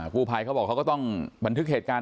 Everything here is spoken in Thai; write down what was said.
กู้ภัยเขาบอกเขาก็ต้องบันทึกเหตุการณ์